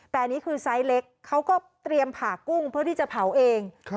แต่อันนี้คือไซส์เล็กเขาก็เตรียมผ่ากุ้งเพื่อที่จะเผาเอง